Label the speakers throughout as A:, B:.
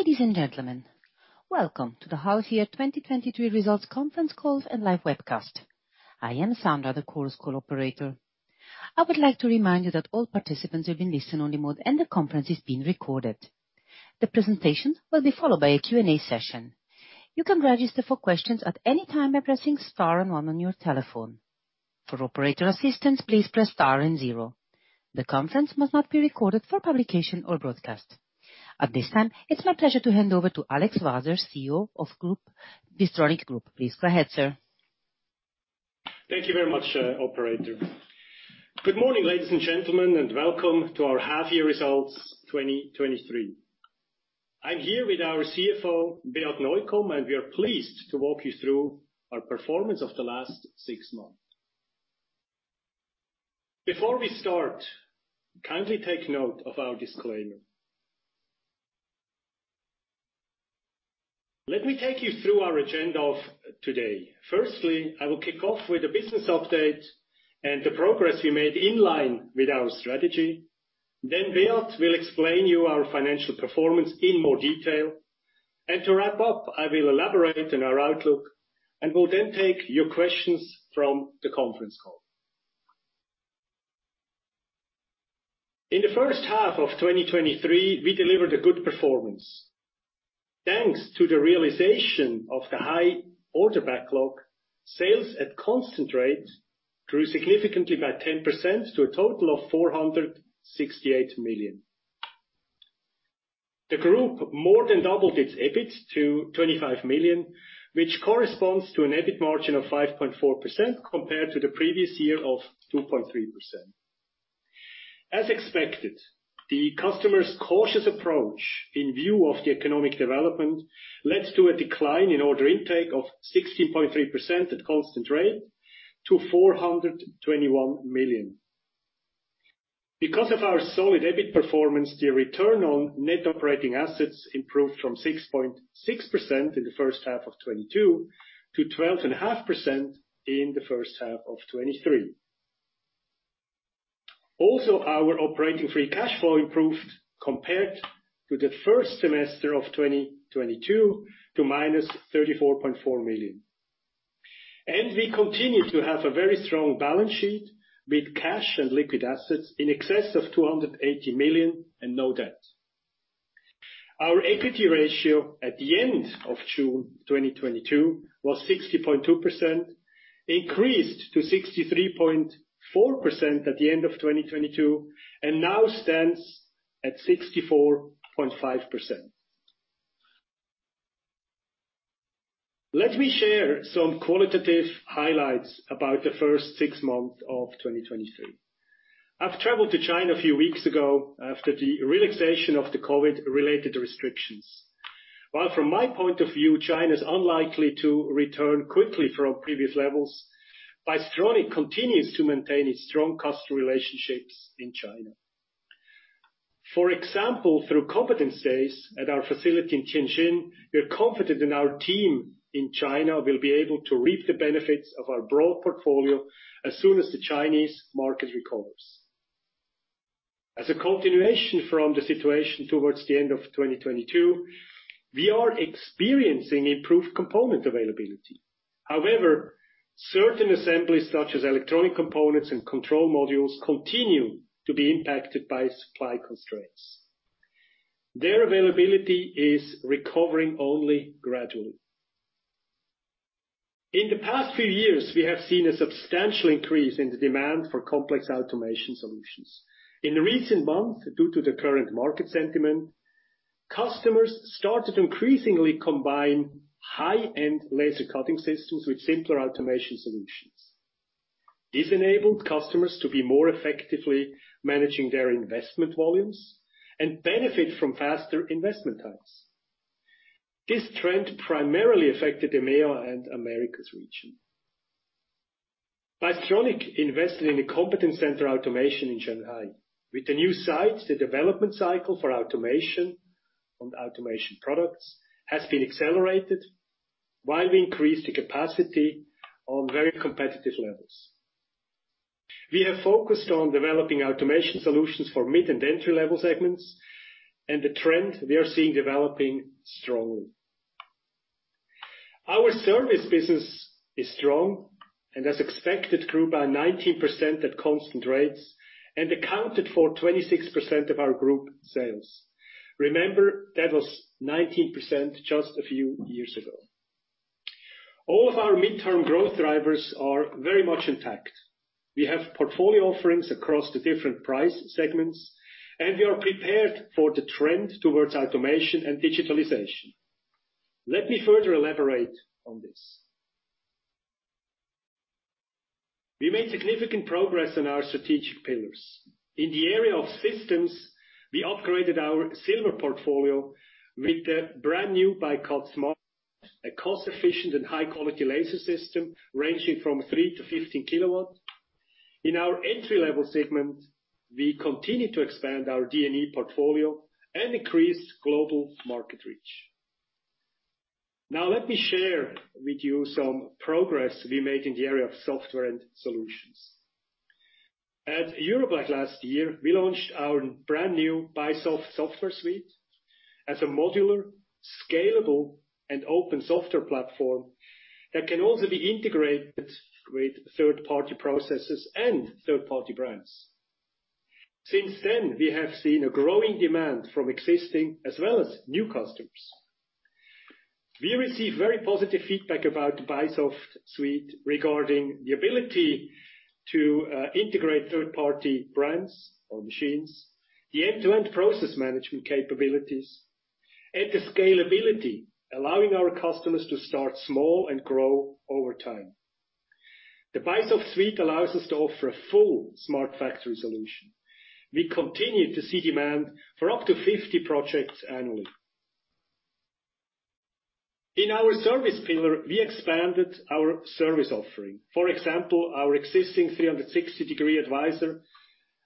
A: Ladies and gentlemen, welcome to the half year 2023 results conference call and live webcast. I am Sandra, the Chorus Call operator. I would like to remind you that all participants will be in listen-only mode, and the conference is being recorded. The presentation will be followed by a Q&A session. You can register for questions at any time by pressing star and one on your telephone. For operator assistance, please press star and zero. The conference must not be recorded for publication or broadcast. At this time, it's my pleasure to hand over to Alex Waser, CEO of Group, Bystronic Group. Please go ahead, sir.
B: Thank you very much, operator. Good morning, ladies and gentlemen, and welcome to our half year results 2023. I'm here with our CFO, Beat Neukom, and we are pleased to walk you through our performance of the last six months. Before we start, kindly take note of our disclaimer. Let me take you through our agenda of today. Firstly, I will kick off with a business update and the progress we made in line with our strategy. Beat will explain you our financial performance in more detail. To wrap up, I will elaborate on our outlook and will then take your questions from the conference call. In the first half of 2023, we delivered a good performance. Thanks to the realization of the high order backlog, sales at constant rate grew significantly by 10% to a total of 468 million. The group more than doubled its EBIT to 25 million, which corresponds to an EBIT margin of 5.4% compared to the previous year of 2.3%. As expected, the customer's cautious approach in view of the economic development, led to a decline in order intake of 16.3% at constant rate to 421 million. Because of our solid EBIT performance, the return on net operating assets improved from 6.6% in the first half of 2022, to 12.5% in the first half of 2023. Also, our operating free cash flow improved compared to the first semester of 2022 to -34.4 million. We continue to have a very strong balance sheet, with cash and liquid assets in excess of 280 million and no debt. Our equity ratio at the end of June 2022 was 60.2%, increased to 63.4% at the end of 2022, and now stands at 64.5%. Let me share some qualitative highlights about the first six months of 2023. I've traveled to China a few weeks ago after the relaxation of the COVID-related restrictions. While from my point of view, China's unlikely to return quickly from previous levels, Bystronic continues to maintain its strong customer relationships in China. For example, through Competence Days at our facility in Tianjin, we are confident in our team in China will be able to reap the benefits of our broad portfolio as soon as the Chinese market recovers. As a continuation from the situation towards the end of 2022, we are experiencing improved component availability. However, certain assemblies, such as electronic components and control modules, continue to be impacted by supply constraints. Their availability is recovering only gradually. In the past few years, we have seen a substantial increase in the demand for complex automation solutions. In the recent months, due to the current market sentiment, customers started to increasingly combine high-end laser cutting systems with simpler automation solutions. This enabled customers to be more effectively managing their investment volumes and benefit from faster investment times. This trend primarily affected the EMEA and Americas region. Bystronic invested in a Competence Center Automation in Shanghai. With the new sites, the development cycle for automation on automation products has been accelerated, while we increased the capacity on very competitive levels. We have focused on developing automation solutions for mid and entry-level segments, and the trend we are seeing developing strongly. Our service business is strong, as expected, grew by 19% at constant rates and accounted for 26% of our Group sales. Remember, that was 19% just a few years ago. All of our midterm growth drivers are very much intact. We have portfolio offerings across the different price segments, we are prepared for the trend towards automation and digitalization. Let me further elaborate on this. We made significant progress on our strategic pillars. In the area of systems, we upgraded our Silver portfolio with the brand new ByCut Smart, a cost-efficient and high-quality laser system ranging from 3 kW-15 kW. In our entry-level segment, we continued to expand our DNE portfolio and increase global market reach. Let me share with you some progress we made in the area of software and solutions. At EuroBLECH last year, we launched our brand new BySoft Suite as a modular, scalable, and open software platform that can also be integrated with third-party processes and third-party brands. Since then, we have seen a growing demand from existing as well as new customers. We receive very positive feedback about BySoft Suite, regarding the ability to integrate third-party brands or machines, the end-to-end process management capabilities, and the scalability, allowing our customers to start small and grow over time. The BySoft Suite allows us to offer a full Smart Factory solution. We continue to see demand for up to 50 projects annually. In our service pillar, we expanded our service offering. For example, our existing 360° Advisor,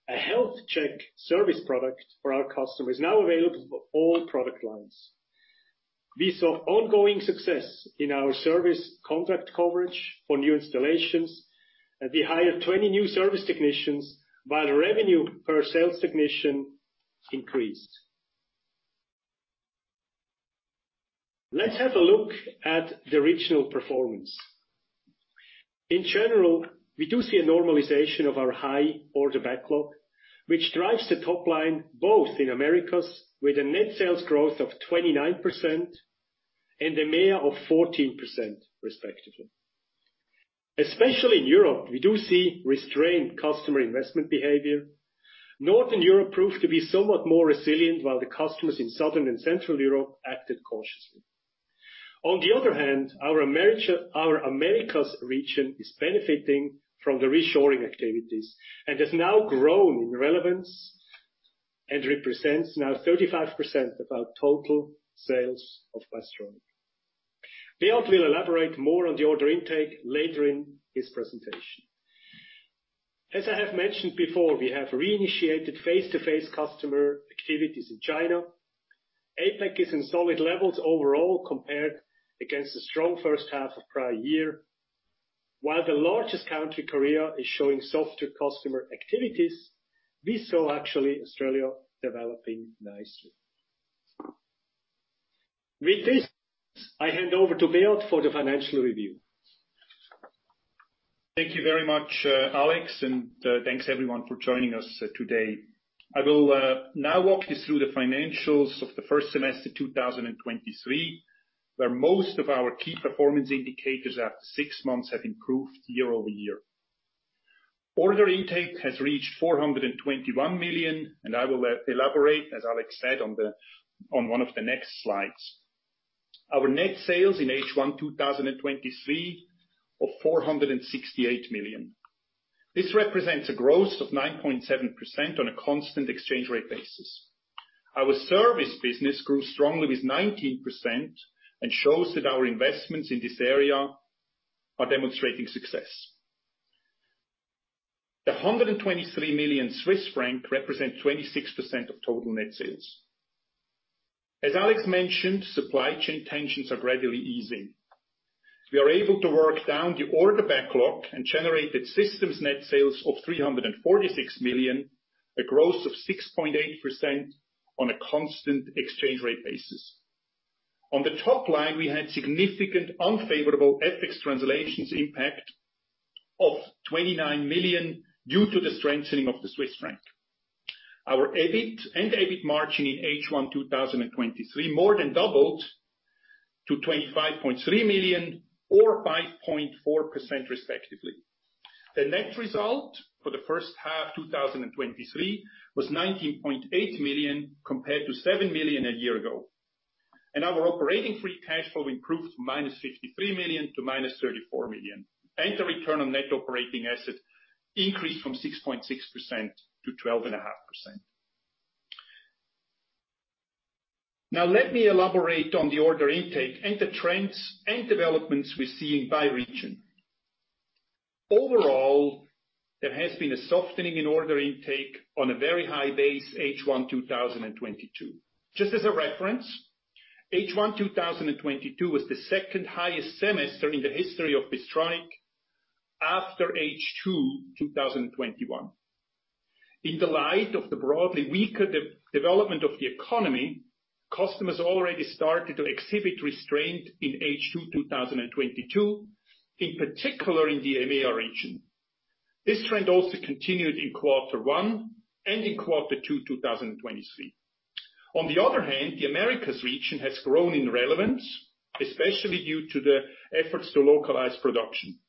B: a health check service product for our customers, now available for all product lines. We saw ongoing success in our service contract coverage for new installations, and we hired 20 new service technicians, while the revenue per sales technician increased. Let's have a look at the regional performance. In general, we do see a normalization of our high order backlog, which drives the top line, both in Americas, with a net sales growth of 29%, and the EMEA of 14%, respectively. Especially in Europe, we do see restrained customer investment behavior. Northern Europe proved to be somewhat more resilient, while the customers in Southern and Central Europe acted cautiously. On the other hand, our Americas region is benefiting from the reshoring activities and has now grown in relevance, and represents now 35% of our total sales of Bystronic. Beat will elaborate more on the order intake later in his presentation. As I have mentioned before, we have reinitiated face-to-face customer activities in China. APAC is in solid levels overall, compared against the strong first half of prior year. While the largest country, Korea, is showing softer customer activities, we saw actually Australia developing nicely. With this, I hand over to Beat for the financial review.
C: Thank you very much, Alex, and thanks everyone for joining us today. I will now walk you through the financials of the first semester 2023, where most of our key performance indicators after six months have improved year-over-year. Order intake has reached 421 million, and I will elaborate, as Alex said, on one of the next slides. Our net sales in H1 2023 of 468 million. This represents a growth of 9.7% on a constant exchange rate basis. Our service business grew strongly with 19%, and shows that our investments in this area are demonstrating success. The 123 million Swiss franc represents 26% of total net sales. As Alex mentioned, supply chain tensions are gradually easing. We are able to work down the order backlog and generated systems net sales of 346 million, a growth of 6.8% on a constant exchange rate basis. On the top line, we had significant unfavorable FX translations impact of 29 million due to the strengthening of the Swiss franc. Our EBIT and EBIT margin in H1-2023 more than doubled to 25.3 million or 5.4%, respectively. The net result for the first half 2023 was 19.8 million, compared to 7 million a year ago. Our operating free cash flow improved -53 million to -34 million, and the return on net operating assets increased from 6.6%-12.5%. Now, let me elaborate on the order intake and the trends and developments we're seeing by region. Overall, there has been a softening in order intake on a very high base, H1 2022. Just as a reference, H1 2022 was the second highest semester in the history of Bystronic after H2 2021. In the light of the broadly weaker development of the economy, customers already started to exhibit restraint in H2 2022, in particular in the EMEA region. This trend also continued in Q1 and in Q2 2023. The Americas region has grown in relevance, especially due to the efforts to localize production.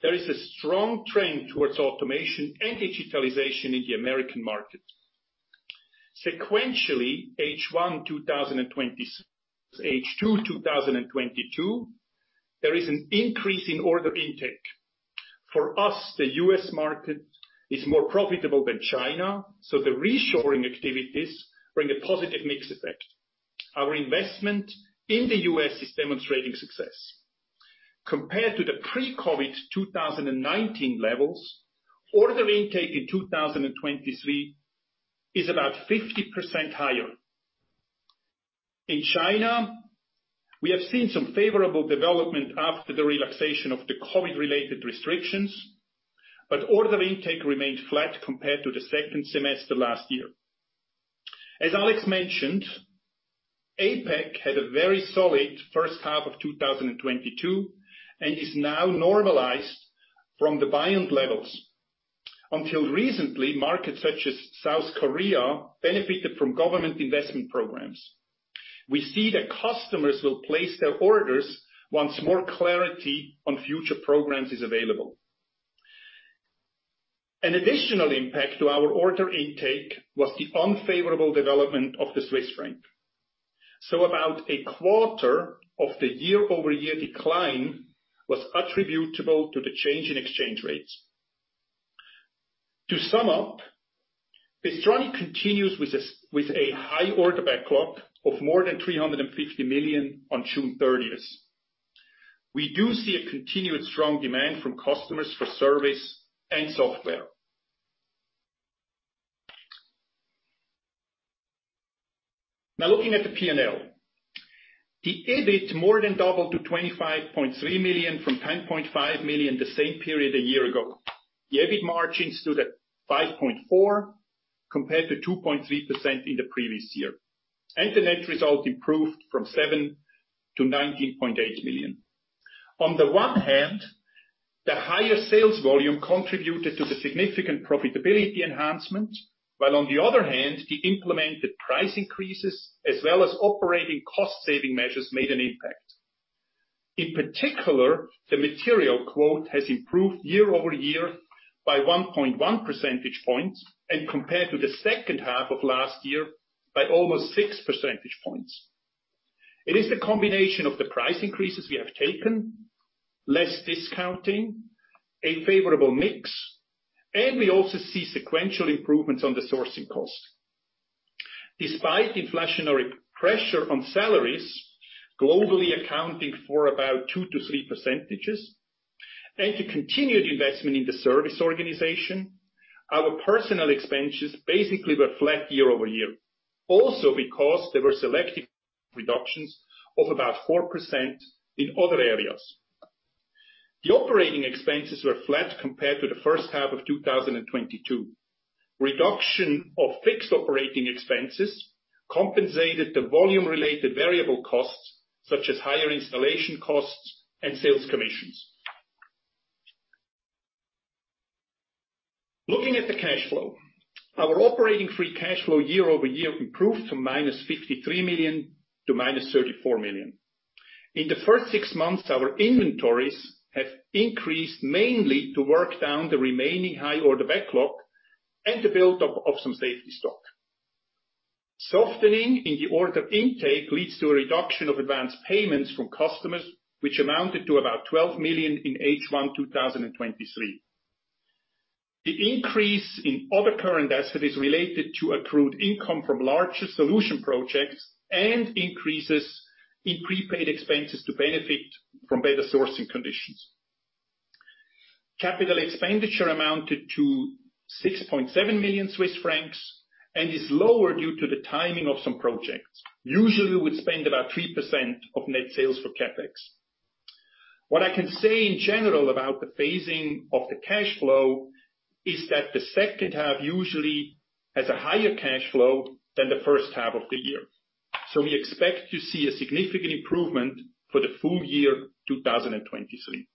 C: There is a strong trend towards automation and digitalization in the American market. Sequentially, H2 2022, there is an increase in order intake. For us, the U.S. market is more profitable than China, the reshoring activities bring a positive mix effect. Our investment in the U.S. is demonstrating success. compared to the pre-COVID 2019 levels, order intake in 2023 is about 50% higher. In China, we have seen some favorable development after the relaxation of the COVID-related restrictions, but order intake remained flat compared to the second semester last year. As Alex mentioned, APAC had a very solid first half of 2022, and is now normalized from the buy-in levels. Until recently, markets such as South Korea benefited from government investment programs. We see that customers will place their orders once more clarity on future programs is available. An additional impact to our order intake was the unfavorable development of the Swiss franc. About a quarter of the year-over-year decline was attributable to the change in exchange rates. To sum up, Bystronic continues with a high order backlog of more than 350 million on June 30th. We do see a continued strong demand from customers for service and software. Looking at the P&L. The EBIT more than doubled to 25.3 million, from 10.5 million the same period a year ago. The EBIT margins stood at 5.4%, compared to 2.3% in the previous year, and the net result improved from 7 million to 19.8 million. On the one hand, the higher sales volume contributed to the significant profitability enhancement, while on the other hand, the implemented price increases as well as operating cost saving measures made an impact. In particular, the material margin has improved year-over-year by 1.1 percentage points, and compared to the second half of last year, by almost 6 percentage points. It is the combination of the price increases we have taken, less discounting, a favorable mix, we also see sequential improvements on the sourcing cost. Despite inflationary pressure on salaries, globally accounting for about 2%-3%, and to continued investment in the service organization, our personnel expenses basically were flat year-over-year. Because there were selective reductions of about 4% in other areas. The operating expenses were flat compared to the first half of 2022. Reduction of fixed operating expenses compensated the volume-related variable costs, such as higher installation costs and sales commissions. Looking at the cash flow, our operating free cash flow year-over-year improved to -53 million to -34 million. In the first six months, our inventories have increased mainly to work down the remaining high order backlog and the build-up of some safety stock. Softening in the order intake leads to a reduction of advanced payments from customers, which amounted to about 12 million in H1 2023. The increase in other current assets is related to accrued income from larger solution projects and increases in prepaid expenses to benefit from better sourcing conditions. Capital expenditure amounted to 6.7 million Swiss francs, and is lower due to the timing of some projects. Usually, we spend about 3% of net sales for CapEx. What I can say in general about the phasing of the cash flow, is that the second half usually has a higher cash flow than the first half of the year. We expect to see a significant improvement for the full year 2023.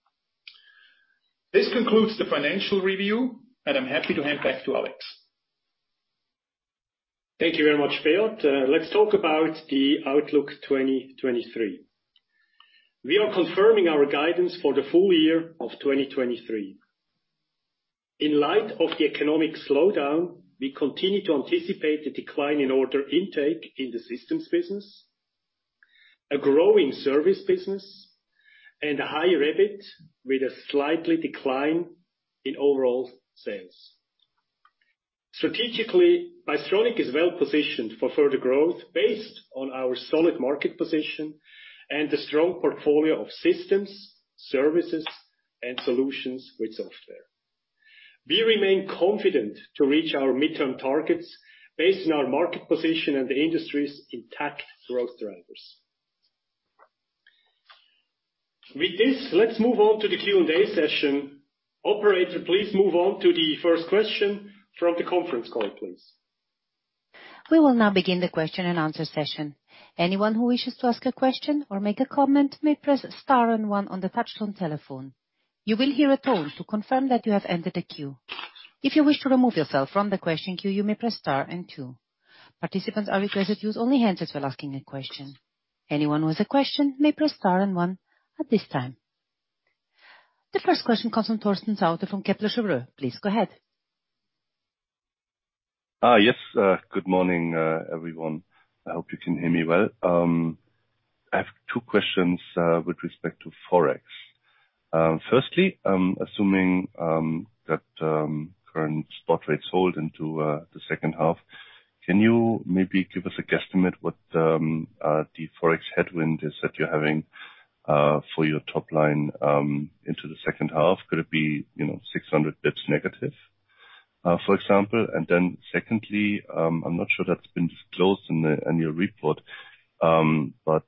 C: This concludes the financial review, and I'm happy to hand back to Alex.
B: Thank you very much, Beat. Let's talk about the outlook 2023. We are confirming our guidance for the full year of 2023. In light of the economic slowdown, we continue to anticipate the decline in order intake in the systems business, a growing service business, and a higher EBIT, with a slightly decline in overall sales. Strategically, Bystronic is well positioned for further growth based on our solid market position and the strong portfolio of systems, services, and solutions with software. We remain confident to reach our midterm targets based on our market position and the industry's intact growth drivers.
C: With this, let's move on to the Q&A session. Operator, please move on to the first question from the conference call, please.
A: We will now begin the question and answer session. Anyone who wishes to ask a question or make a comment, may press star and one on the touchtone telephone. You will hear a tone to confirm that you have entered a queue. If you wish to remove yourself from the question queue, you may press star and two. Participants are requested to use only hands while asking a question. Anyone who has a question may press star and one at this time. The first question comes from Torsten Sauter from Kepler Cheuvreux. Please, go ahead.
D: Yes, good morning, everyone. I hope you can hear me well. I have two questions with respect to Forex. Firstly, I'm assuming that current spot rates hold into the second half. Can you maybe give us a guesstimate what the Forex headwind is that you're having for your top line into the second half? Could it be, you know, 600 basis points negative, for example? Secondly, I'm not sure that's been disclosed in the annual report, but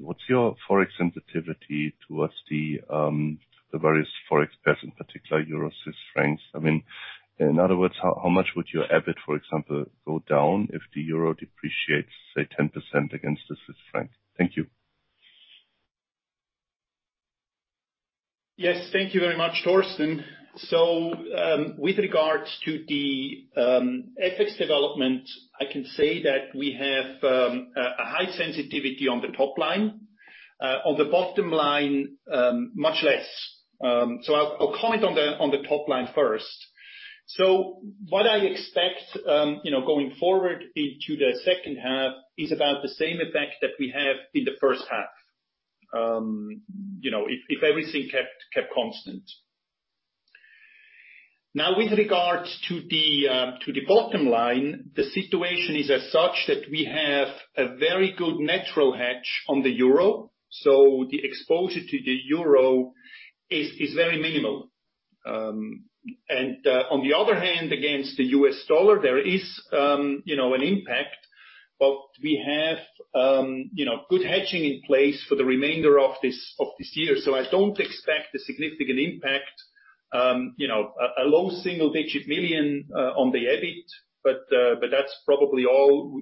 D: what's your Forex sensitivity towards the various Forex pairs, in particular, Euro-Swiss francs? I mean, in other words, how much would your EBIT, for example, go down if the Euro depreciates, say, 10% against the Swiss franc? Thank you.
C: Yes, thank you very much, Torsten. With regards to the FX development, I can say that we have a high sensitivity on the top line. On the bottom line, much less. I'll comment on the top line first. What I expect, you know, going forward into the second half is about the same effect that we have in the first half. You know, if everything kept constant. Now, with regards to the bottom line, the situation is as such that we have a very good natural hedge on the Euro, so the exposure to the Euro is very minimal. On the other hand, against the US dollar, there is, you know, an impact, but we have, you know, good hedging in place for the remainder of this year. I don't expect a significant impact, you know, a low single-digit million on the EBIT, but that's probably all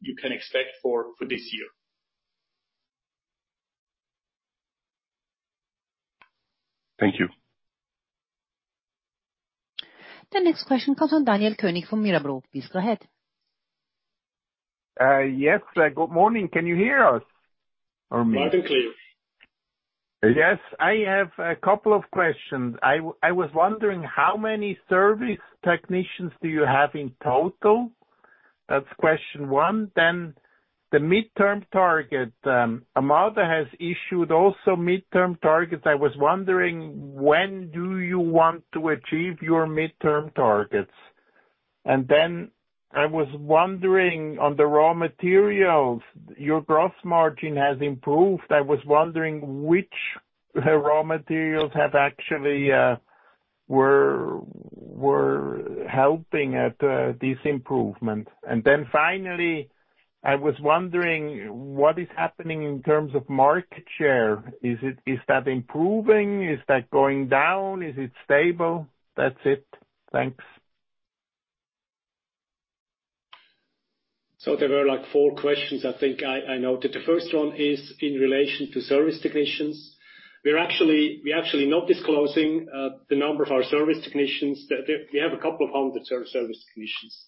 C: you can expect for this year. Thank you.
A: The next question comes from Daniel König from Mirabaud Securities. Please go ahead.
E: Yes, good morning. Can you hear us? Or me?
C: Loud and clear.
E: Yes. I have a couple of questions. I was wondering, how many service technicians do you have in total? That's question one. The midterm target, Amada has issued also midterm targets. I was wondering, when do you want to achieve your midterm targets? I was wondering, on the raw materials, your gross margin has improved. I was wondering which raw materials have actually were helping at this improvement. Finally, I was wondering, what is happening in terms of market share? Is that improving? Is that going down? Is it stable? That's it. Thanks.
B: There were, like, four questions, I think I noted. The first 1 is in relation to service technicians. We're actually not disclosing the number of our service technicians. We have a couple of 100 service technicians.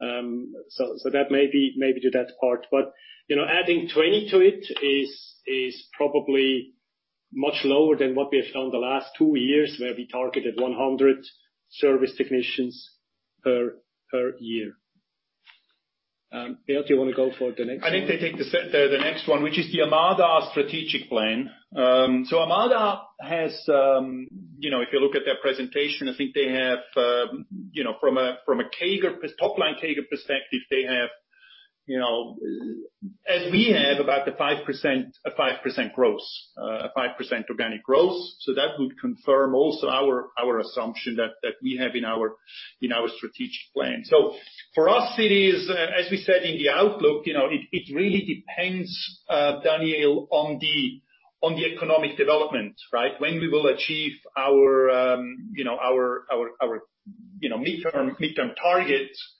B: That may be to that part. You know, adding 20 to it is probably much lower than what we have done the last two years, where we targeted 100 service technicians per year. Beat, do you want to go for the next one?
C: I think I take the next one, which is the Amada strategic plan. Amada has, you know, if you look at their presentation, I think they have, you know, from a, from a CAGR, top-line CAGR perspective, they have, you know, as we have, about a 5%, a 5% growth, a 5% organic growth, so that would confirm our assumption that we have in our strategic plan. For us, it is, as we said in the outlook, you know, it really depends, Daniel, on the economic development, right? When we will achieve our, you know, our, our midterm targets.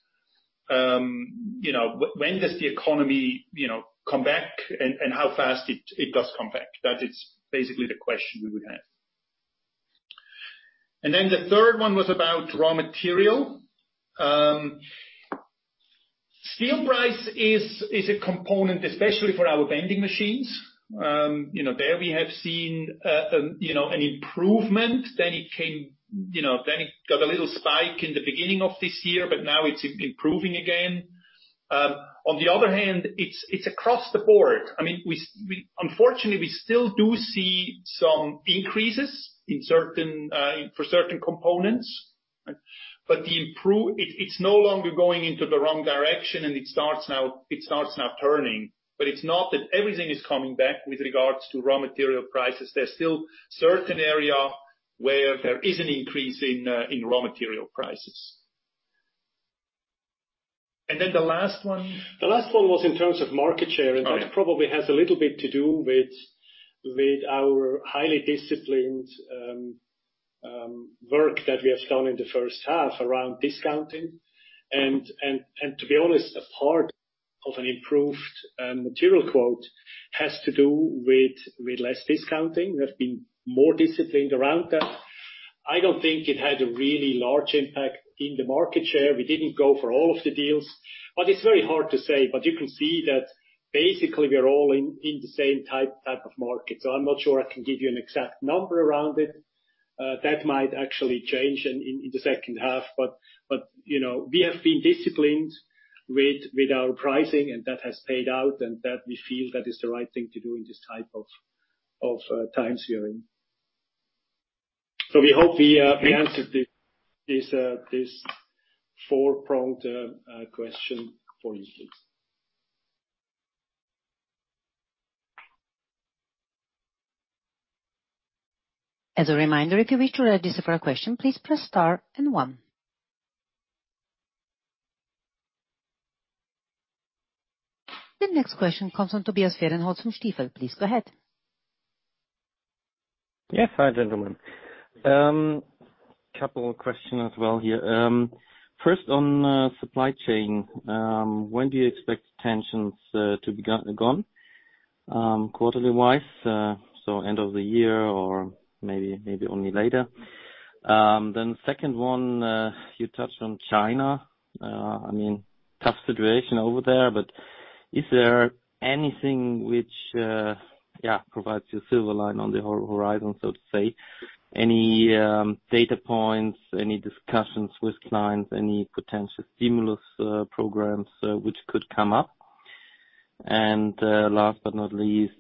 C: You know, when does the economy, you know, come back, and how fast it does come back? That is basically the question we would have.
B: Then the third one was about raw material. Steel price is a component, especially for our bending machines. You know, there we have seen, you know, an improvement. It came, you know, then it got a little spike in the beginning of this year. Now it's improving again. On the other hand, it's across the board. I mean, we unfortunately, we still do see some increases in certain, for certain components, but it's no longer going into the wrong direction, and it starts now turning. It's not that everything is coming back with regards to raw material prices. There's still certain area where there is an increase in raw material prices.
E: The last one?
B: The last one was in terms of market share.
E: Got it.
B: That probably has a little bit to do with our highly disciplined work that we have done in the first half around discounting. To be honest, a part of an improved material margin has to do with less discounting. We have been more disciplined around that. I don't think it had a really large impact in the market share. We didn't go for all of the deals, but it's very hard to say, but you can see that basically, we are all in the same type of market. I'm not sure I can give you an exact number around it. That might actually change in the second half, but, you know, we have been disciplined with our pricing, and that has paid out, and that we feel that is the right thing to do in this type of times we are in. We hope we answered this four-pronged question for you, please.
A: As a reminder, if you wish to register for a question, please press star and one. The next question comes from Tobias Fahrenholz from Stifel. Please go ahead.
F: Yes. Hi, gentlemen. Couple of questions as well here. First on supply chain, when do you expect tensions to be gone quarterly-wise? End of the year or maybe only later. The second one, you touched on China. I mean, tough situation over there, but is there anything which, yeah, provides you a silver line on the horizon, so to say? Any data points, any discussions with clients, any potential stimulus programs which could come up? Last but not least,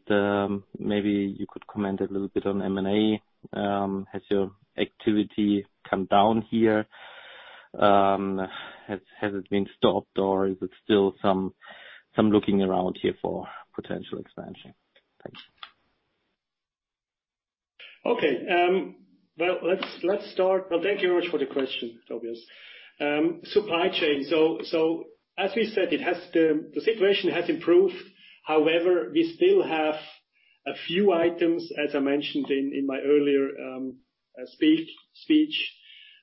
F: maybe you could comment a little bit on M&A. Has your activity come down here? Has it been stopped, or is it still some looking around here for potential expansion? Thanks.
B: Okay. Well, let's start. Thank you very much for the question, Tobias. Supply chain, so as we said, the situation has improved. We still have a few items, as I mentioned in my earlier speech.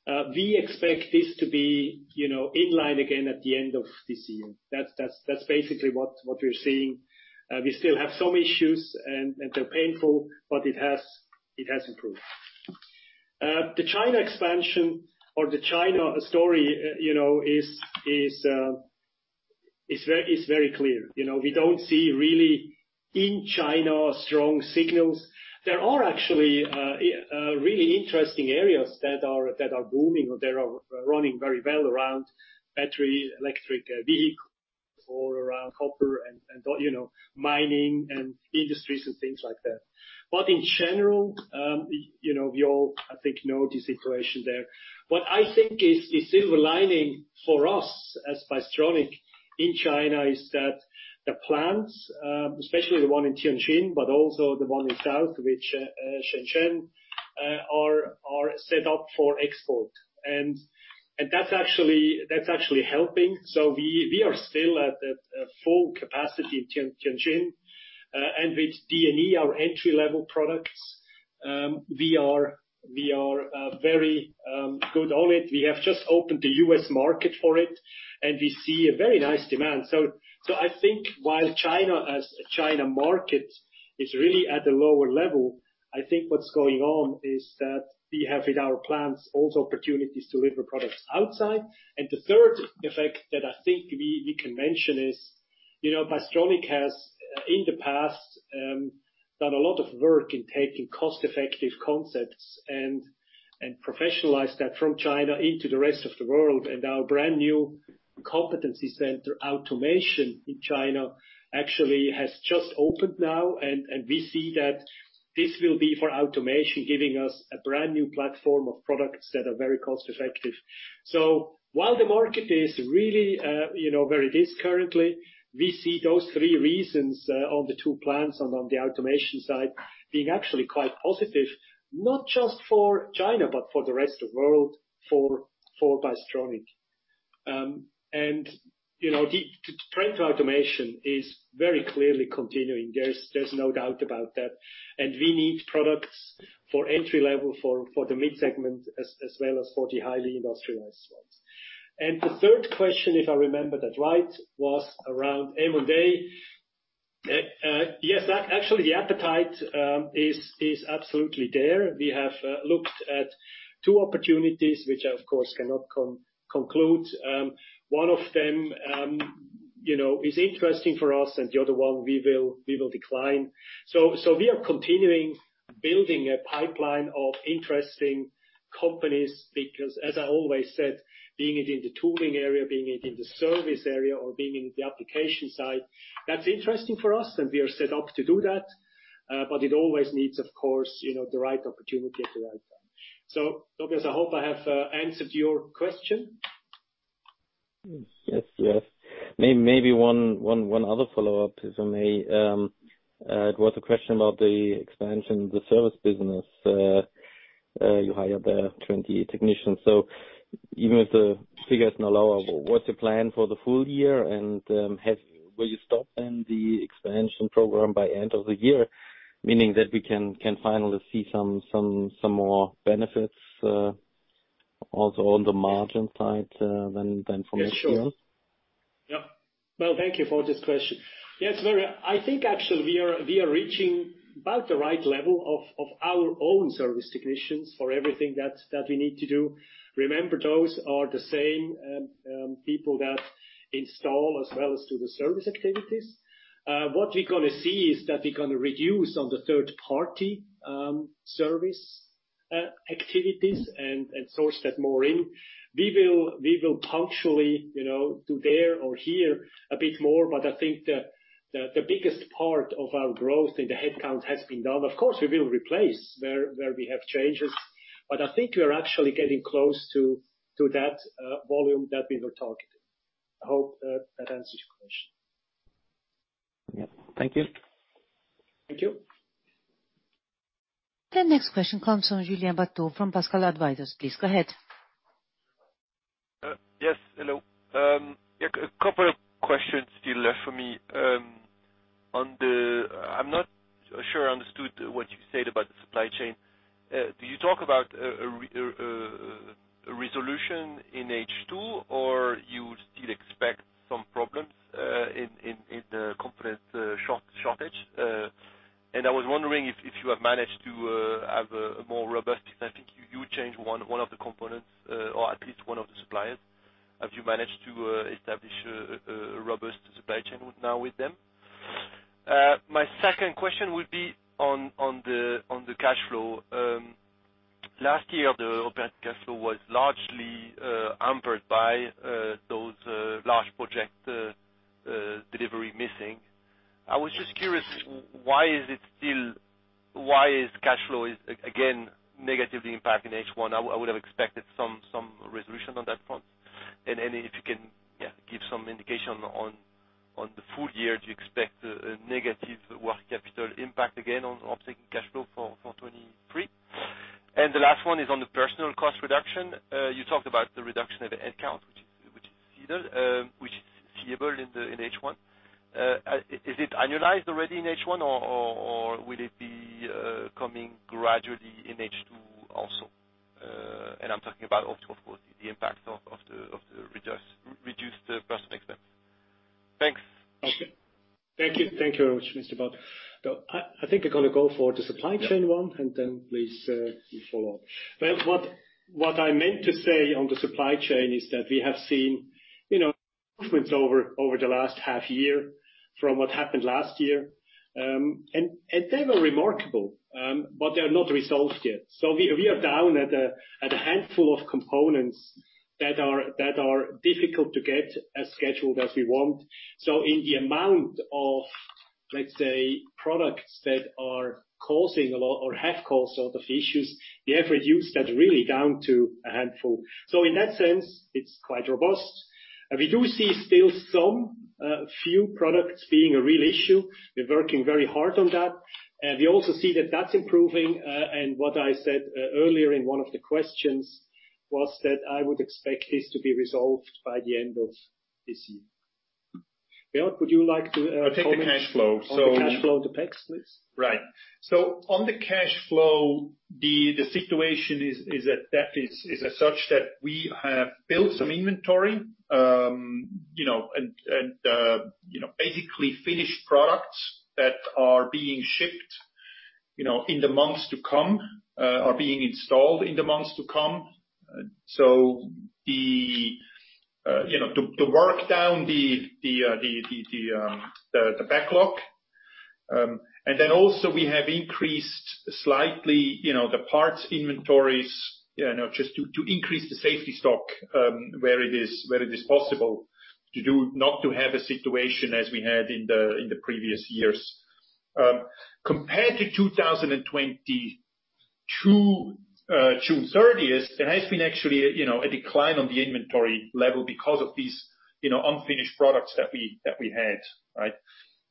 B: We expect this to be, you know, in line again at the end of this year. That's basically what we're seeing. We still have some issues, and they're painful, but it has improved. The China expansion or the China story, you know, is very clear. You know, we don't see really, in China, strong signals. There are actually really interesting areas that are booming or that are running very well around battery, electric vehicle or around copper and, you know, mining and industries and things like that. In general, you know, we all, I think, know the situation there. What I think is the silver lining for us as Bystronic in China is that the plants, especially the one in Tianjin, but also the one in south, which Shenzhen, are set up for export, and that's actually, that's actually helping. We are still at a full capacity in Tianjin, and with DNE, our entry-level products, we are very good on it. We have just opened the U.S. market for it, and we see a very nice demand. I think while China, as China market, is really at a lower level, I think what's going on is that we have, with our plants, also opportunities to deliver products outside. The third effect that I think we can mention is, you know, Bystronic has, in the past, done a lot of work in taking cost-effective concepts and professionalize that from China into the rest of the world. Our brand-new Competence Center Automation in China actually has just opened now, we see that this will be for automation, giving us a brand-new platform of products that are very cost-effective. While the market is really, you know, where it is currently, we see those three reasons, on the two plants and on the automation side, being actually quite positive, not just for China, but for the rest of the world, for Bystronic. You know, the trend to automation is very clearly continuing. There's no doubt about that, we need products for entry level, for the mid-segment, as well as for the highly industrialized ones. The third question, if I remember that right, was around M&A. Yes, that actually, the appetite, is absolutely there. We have, looked at two opportunities, which I, of course, cannot conclude. One of them, you know, is interesting for us, the other one we will decline. We are continuing building a pipeline of interesting companies, because as I always said, being it in the tooling area, being it in the service area, or being in the application side, that's interesting for us, and we are set up to do that. It always needs, of course, you know, the right opportunity at the right time. Tobias, I hope I have answered your question.
F: Yes. Yes. Maybe one other follow-up, if I may? It was a question about the expansion of the service business. You hired 20 technicians. Even if the figure is now lower, what's the plan for the full year? Will you stop then the expansion program by end of the year, meaning that we can finally see some more benefits also on the margin side than from last year?
B: Yes, sure. Yep. Well, thank you for this question. Yes, I think actually we are reaching about the right level of our own service technicians for everything that we need to do. Remember, those are the same people that install as well as do the service activities. What we're gonna see is that we're gonna reduce on the third-party service activities and source that more in. We will punctually, you know, do there or here a bit more, but I think the biggest part of our growth in the headcount has been done. Of course, we will replace where we have changes, but I think we are actually getting close to that volume that we were targeting. I hope that answers your question.
F: Yep, thank you.
B: Thank you.
A: The next question comes from Julien Bouteiller from Pascale Advisers. Please go ahead.
G: Yes. Hello. A couple of questions still left for me. I'm not sure I understood what you said about the supply chain. Do you talk about a resolution in H2, or you still expect some problems in the component shortage? I was wondering if you have managed to have a more robust... Because I think you changed one of the components, or at least one of the suppliers. Have you managed to establish a robust supply chain now with them? My second question would be on the cash flow. Last year, the operating cash flow was largely hampered by those large project delivery missing. I was just curious, why is cash flow again negatively impact in H1? I would have expected some resolution on that front. If you can, yeah, give some indication on the full year, do you expect a negative working capital impact again on operating cash flow for 2023? The last one is on the personal cost reduction. You talked about the reduction of the headcount, which is feasible in H1. Is it annualized already in H1, or will it be coming gradually in H2 also? I'm talking about of course, the impact of the reduced personal expense. Thanks.
B: Okay. Thank you. Thank you very much, Mr. Bouteaux. I think I'm gonna go for the supply chain one, and then please, you follow up. Well, what I meant to say on the supply chain is that we have seen, you know, improvements over the last half year from what happened last year. And they were remarkable, but they are not resolved yet. We are down at a handful of components that are difficult to get as scheduled as we want. In the amount of, let's say, products that are causing a lot or have caused a lot of issues, we have reduced that really down to a handful. In that sense, it's quite robust. We do see still some few products being a real issue. We're working very hard on that. We also see that that's improving, what I said earlier in one of the questions was that I would expect this to be resolved by the end of this year. Beat Neukom, would you like to comment?
C: I'll take the cash flow.
B: On the cash flow, the banks, please.
C: Right. On the cash flow, the situation is that that is as such that we have built some inventory, you know, and, you know, basically finished products that are being shipped, you know, in the months to come, are being installed in the months to come. The, you know, to work down the backlog. Then also we have increased slightly, you know, the parts inventories, you know, just to increase the safety stock, where it is possible to do. Not to have a situation as we had in the previous years. Compared to 2020 to June 30th, there has been actually a decline on the inventory level because of these unfinished products that we, that we had, right?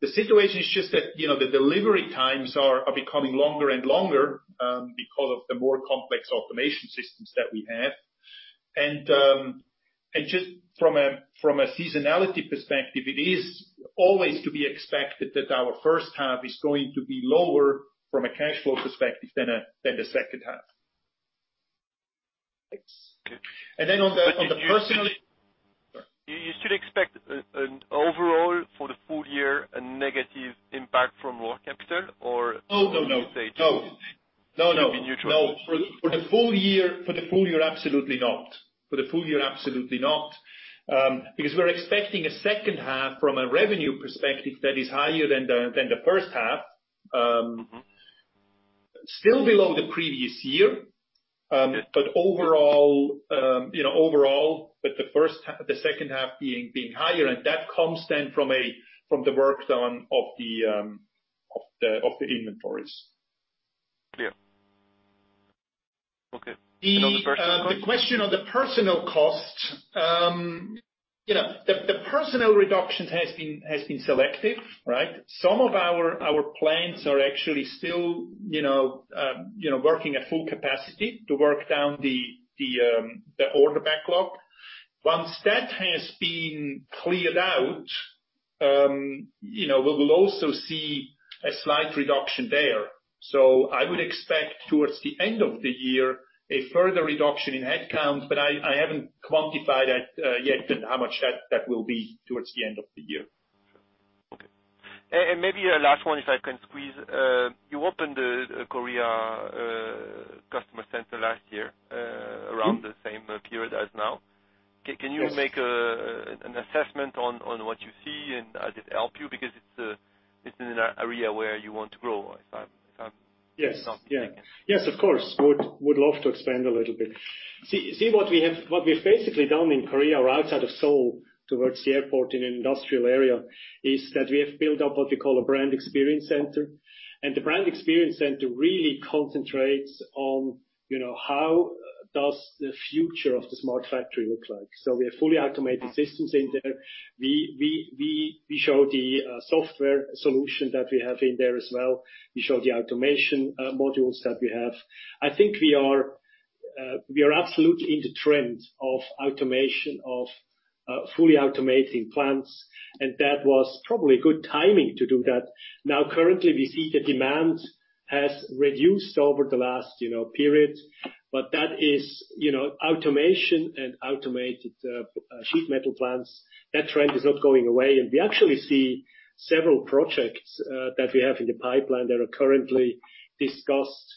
C: The situation is just that the delivery times are becoming longer and longer because of the more complex automation systems that we have. Just from a seasonality perspective, it is always to be expected that our first half is going to be lower from a cash flow perspective than the second half.
G: Thanks.
C: on the personal-.
G: You still expect an overall for the full year, a negative impact from working capital, or?
C: No, no, no. No. No, no.
G: Neutral.
C: No. For the full year, absolutely not. Because we're expecting a second half from a revenue perspective that is higher than the first half.
G: Mm-hmm.
C: Still below the previous year, but overall, you know, overall, but the first the second half being higher, and that comes then from a, from the work done of the inventories.
G: Clear. Okay. On the personal cost?
C: The question on the personnel cost, you know, the personnel reduction has been selective, right? Some of our plants are actually still, you know, working at full capacity to work down the order backlog. Once that has been cleared out, you know, we will also see a slight reduction there. I would expect towards the end of the year, a further reduction in headcount, but I haven't quantified that yet, and how much that will be towards the end of the year.
G: Okay. Maybe a last one, if I can squeeze. You opened the Korea Customer Center last year.
C: Mm-hmm.
G: around the same period as now.
C: Yes.
G: Can you make an assessment on what you see, does it help you? It's in an area where you want to grow, if I'm.
C: Yes. Yeah.
G: Yes.
C: Yes, of course. Would love to expand a little bit. See what we have what we've basically done in Korea or outside of Seoul, towards the airport in an industrial area, is that we have built up what we call a Brand Experience Center. The Brand Experience Center really concentrates on, you know, how does the future of the Smart Factory look like? We have fully automated systems in there. We show the software solution that we have in there as well. We show the automation modules that we have. I think we are, we are absolutely in the trend of automation of fully automating plants, that was probably good timing to do that. Currently, we see the demand has reduced over the last, you know, period, but that is, you know, automation and automated sheet metal plants, that trend is not going away. We actually see several projects that we have in the pipeline that are currently discussed,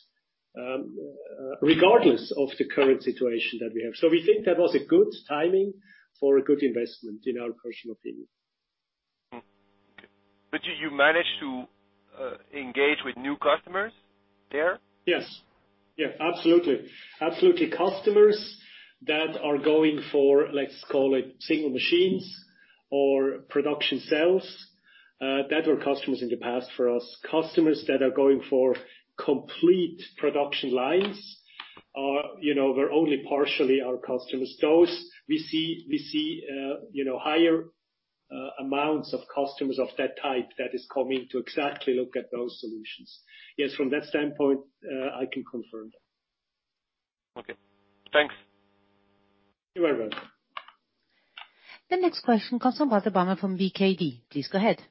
C: regardless of the current situation that we have. We think that was a good timing for a good investment, in our personal opinion.
G: Did you manage to engage with new customers there?
C: Yes. Yeah, absolutely. Absolutely, customers that are going for, let's call it, single machines or production cells, that were customers in the past for us. Customers that are going for complete production lines are, you know, were only partially our customers. Those we see, you know, higher amounts of customers of that type that is coming to exactly look at those solutions. Yes, from that standpoint, I can confirm that.
G: Okay. Thanks.
C: You're very welcome.
A: The next question comes from Walter Bamert from BKD. Please go ahead.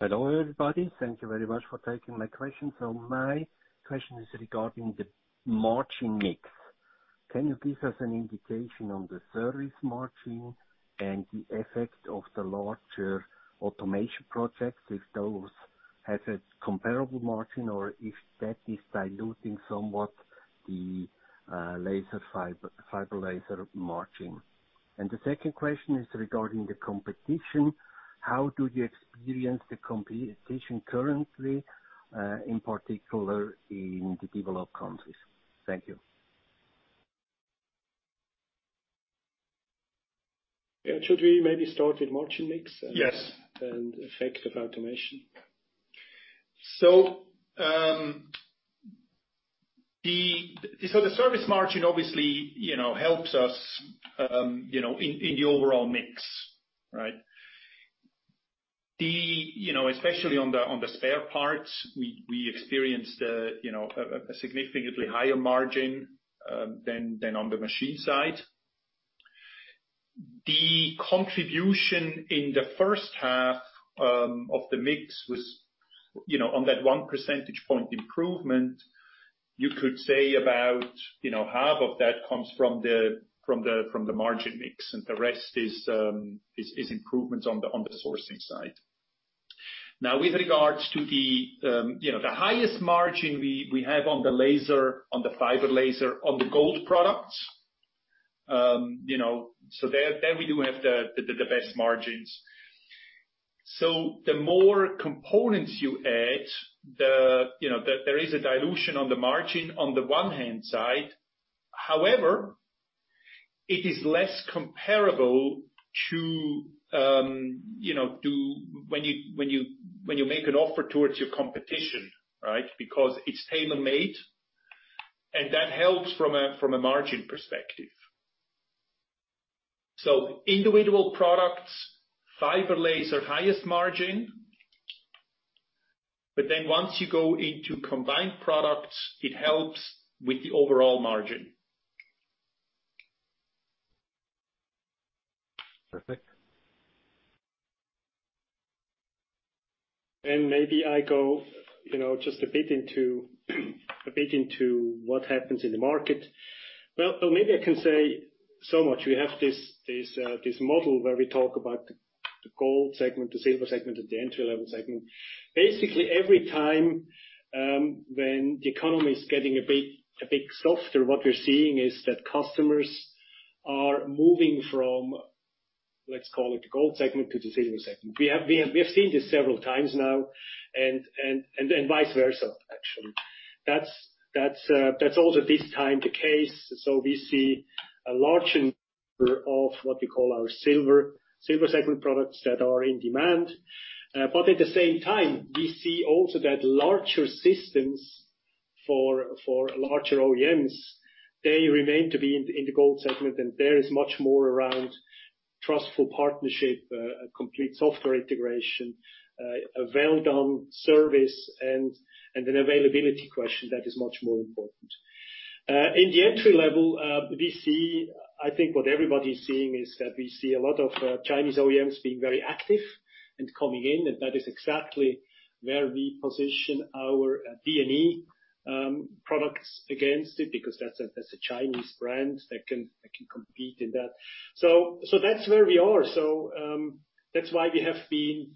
H: Hello, everybody. Thank you very much for taking my question. My question is regarding the margin mix. Can you give us an indication on the service margin and the effect of the larger automation projects, if those have a comparable margin or if that is diluting somewhat the fiber laser margin? The second question is regarding the competition. How do you experience the competition currently, in particular in the developed countries? Thank you.
B: Yeah, should we maybe start with margin mix and-
C: Yes.
B: Effect of automation?
C: The service margin, obviously, you know, helps us, you know, in the overall mix, right? You know, especially on the, on the spare parts, we experienced, you know, a significantly higher margin than on the machine side. The contribution in the first half of the mix was, you know, on that 1 percentage point improvement, you could say about, you know, half of that comes from the, from the, from the margin mix, the rest is improvements on the, on the sourcing side. With regards to the, you know, the highest margin we have on the laser, on the fiber laser, on the gold products, you know, there we do have the best margins. The more components you add, the, you know, there is a dilution on the margin on the one hand side. However, it is less comparable to, you know, to when you make an offer towards your competition, right? Because it's tailor-made, and that helps from a margin perspective. Individual products, fiber laser, highest margin, but then once you go into combined products, it helps with the overall margin.
H: Perfect.
B: maybe I go, you know, just a bit into what happens in the market. Well, or maybe I can say so much. We have this model where we talk about the gold segment, the silver segment, and the entry-level segment. Basically, every time, when the economy is getting a bit softer, what we're seeing is that customers are moving from, let's call it, the gold segment to the silver segment. We have seen this several times now and vice versa, actually. That's also this time the case. we see a larger of what we call our silver segment products that are in demand. At the same time, we see also that larger systems for larger OEMs, they remain to be in the gold segment, and there is much more around trustful partnership, a complete software integration, a well-done service, and an availability question that is much more important. In the entry-level, we see, I think what everybody is seeing is that we see a lot of Chinese OEMs being very active and coming in, and that is exactly where we position our DNE products against it, because that's a Chinese brand that can compete in that. That's where we are. That's why we have been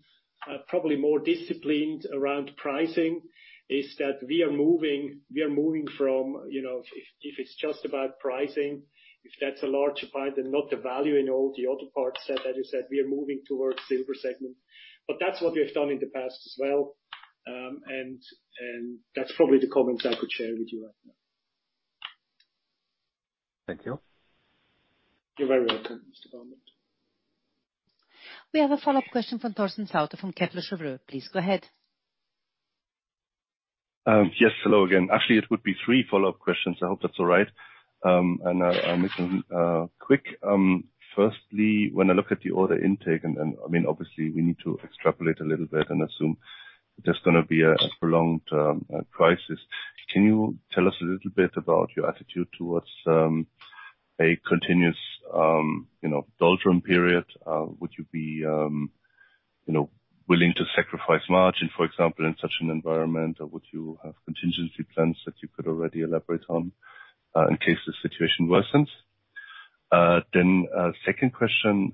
B: probably more disciplined around pricing, is that we are moving from, you know, if it's just about pricing, if that's a large part and not the value in all the other parts that, as you said, we are moving towards silver segment. That's what we have done in the past as well, and that's probably the comments I could share with you right now.
H: Thank you.
B: You're very welcome, Mr. Bamert.
A: We have a follow-up question from Torsten Sauter from Kepler Cheuvreux. Please go ahead.
D: Yes, hello again. Actually, it would be three follow-up questions. I hope that's all right. I'll make them quick. Firstly, when I look at the order intake, and then, I mean, obviously, we need to extrapolate a little bit and assume. There's gonna be a prolonged crisis. Can you tell us a little bit about your attitude towards a continuous, you know, doldrum period? Would you be, you know, willing to sacrifice margin, for example, in such an environment? Or would you have contingency plans that you could already elaborate on in case the situation worsens? Second question,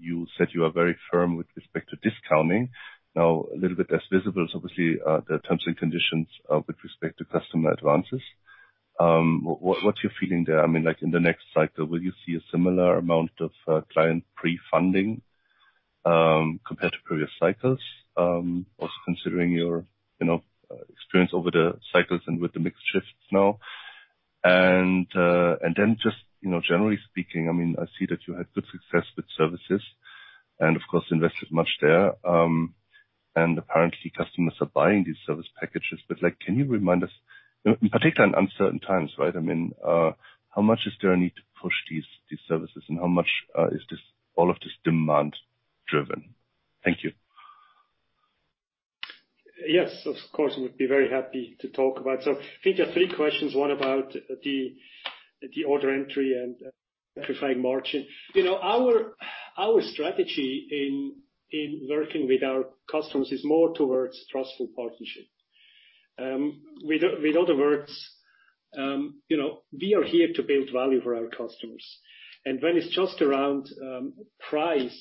D: you said you are very firm with respect to discounting. Now, a little bit less visible is obviously the terms and conditions with respect to customer advances. What's your feeling there? I mean, like, in the next cycle, will you see a similar amount of client pre-funding compared to previous cycles? Also considering your, you know, experience over the cycles and with the mixed shifts now. Then just, you know, generally speaking, I mean, I see that you had good success with services and, of course, invested much there. Apparently, customers are buying these service packages, but, like, can you remind us, in particular in uncertain times, right, I mean, how much is there a need to push these services, and how much is this, all of this demand driven? Thank you.
B: Yes, of course, I would be very happy to talk about. I think there are three questions, one about the order entry and sacrificing margin. You know, our strategy in working with our customers is more towards trustful partnership. With other words, you know, we are here to build value for our customers. When it's just around price,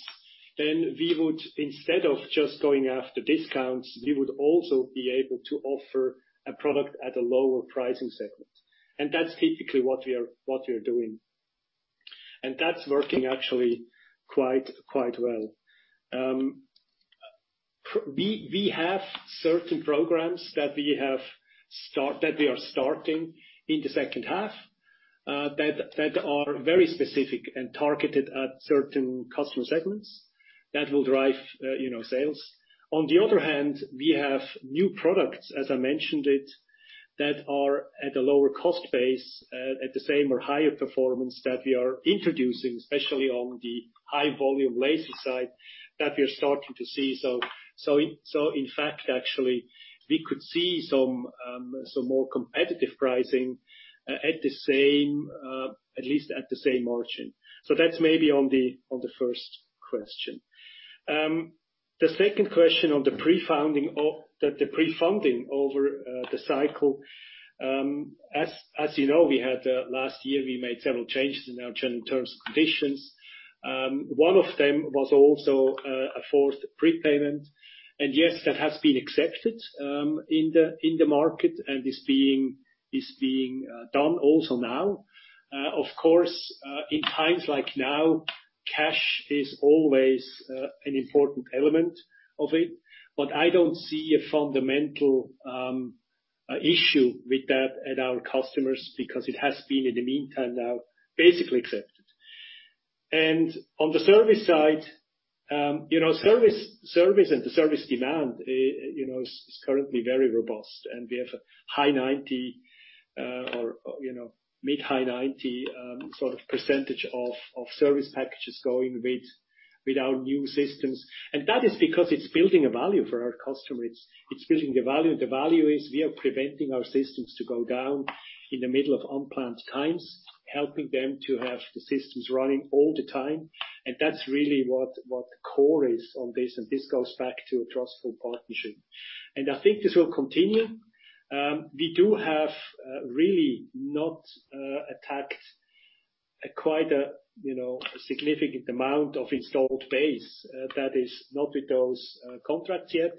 B: then we would, instead of just going after discounts, we would also be able to offer a product at a lower pricing segment. That's typically what we are doing, and that's working actually quite well. We have certain programs that we are starting in the second half that are very specific and targeted at certain customer segments that will drive, you know, sales. On the other hand, we have new products, as I mentioned it, that are at a lower cost base, at the same or higher performance that we are introducing, especially on the high volume laser side, that we are starting to see. In fact, actually, we could see some more competitive pricing, at the same, at least at the same margin. That's maybe on the first question. The second question on the pre-funding over the cycle. As you know, we had last year, we made several changes in our general terms and conditions. One of them was also a forced prepayment, and yes, that has been accepted in the market and is being done also now. Of course, in times like now, cash is always an important element of it, but I don't see a fundamental issue with that at our customers, because it has been, in the meantime now, basically accepted. On the service side, you know, service and the service demand, you know, is currently very robust, and we have a high 90, or, you know, mid-high 90, sort of percentage of service packages going with our new systems. That is because it's building a value for our customers. It's building the value. The value is we are preventing our systems to go down in the middle of unplanned times, helping them to have the systems running all the time, and that's really what the core is on this, and this goes back to a trustful partnership. I think this will continue. We do have really not attacked a quite a, you know, a significant amount of installed base. That is not with those contracts yet,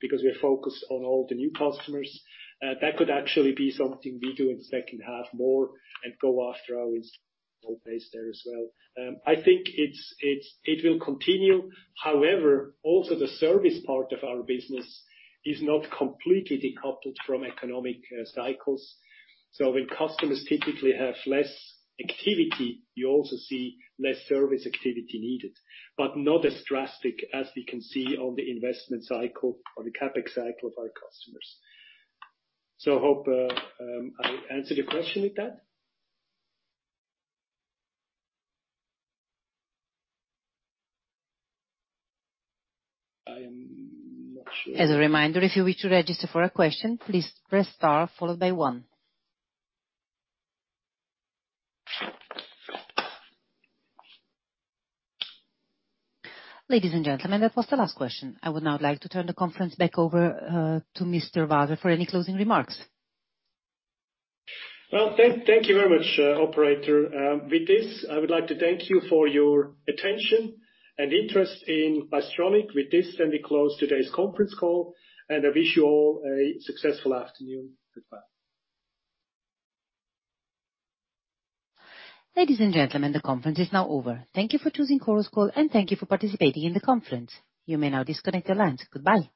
B: because we are focused on all the new customers. That could actually be something we do in the second half more and go after our installed base there as well. I think it's, it will continue. However, also the service part of our business is not completely decoupled from economic cycles. When customers typically have less activity, you also see less service activity needed, but not as drastic as we can see on the investment cycle or the CapEx cycle of our customers. I hope I answered your question with that. I am not sure.
A: As a reminder, if you wish to register for a question, please press star followed by one. Ladies and gentlemen, that was the last question. I would now like to turn the conference back over to Mr. Waser for any closing remarks.
B: Well, thank you very much, operator. With this, I would like to thank you for your attention and interest in Bystronic. With this, we close today's conference call, and I wish you all a successful afternoon. Goodbye.
A: Ladies and gentlemen, the conference is now over. Thank you for choosing Chorus Call, and thank you for participating in the conference. You may now disconnect your lines. Goodbye.